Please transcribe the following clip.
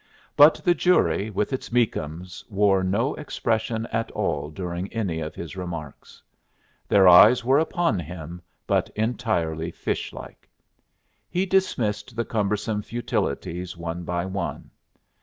But the jury, with its Meakums, wore no expression at all during any of his remarks. Their eyes were upon him, but entirely fishlike. He dismissed the cumbersome futilities one by one.